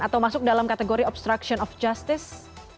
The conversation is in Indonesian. atau masuk dalam kategori obstruction of justice